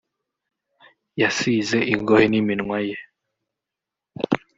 yasize ingohe n'iminwa ye